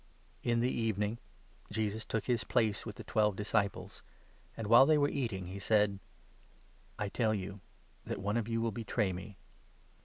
In the evening Jesus took his place with the twelve disciples, and, while they were eating, he said :" I tell you that one of you will betray me."